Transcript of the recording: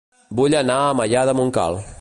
Vull anar a Maià de Montcal